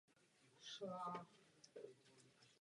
Za roli získala cenu Theatre World Award.